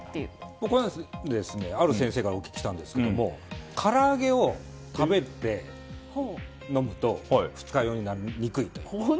僕はある先生からお聞きしたんですけどから揚げを食べて飲むと二日酔いになりにくいと。